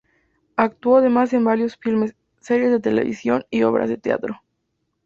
Actuó además en varios filmes, series de televisión y obras de teatro.